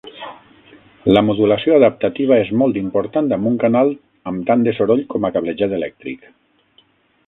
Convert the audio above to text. La modulació adaptativa és molt important amb un canal amb tant de soroll com a cablejat elèctric.